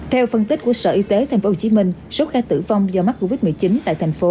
theo phân tích của sở y tế tp hcm số ca tử vong do mắc covid một mươi chín tại thành phố